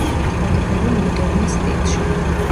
აგებულია მოდერნის სტილში.